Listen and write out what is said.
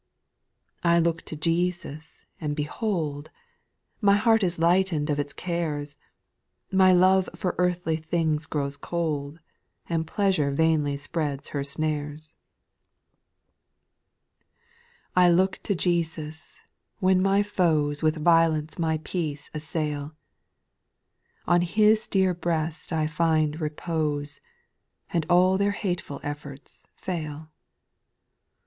4. I look to Jesus, and behold I My heart is lightened of its cares, My love for earthly things grows cold, And pleasure vainly spreads her snares. % SPIRITUAL 80N0S. 207 5. I look to Jesus, wlien my foes With violence my peace assail ; On His dear breast T find repose, And all their hateful efforts fail.